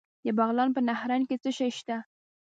د بغلان په نهرین کې څه شی شته؟